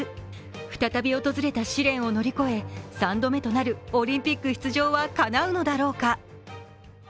再び訪れた試練を乗り越え、３度目となるオリンピック出場はかなうのだろうか？